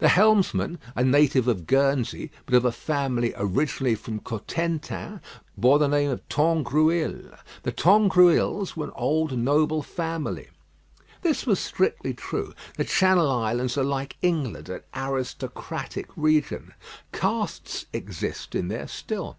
The helmsman, a native of Guernsey, but of a family originally from Cotentin, bore the name of Tangrouille. The Tangrouilles were an old noble family. This was strictly true. The Channel Islands are like England, an aristocratic region. Castes exist there still.